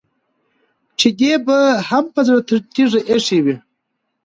چې دې به هم په زړه تيږه اېښې وي.